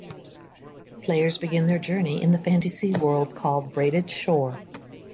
Players begin their journey in the fantasy world called Braided Shore.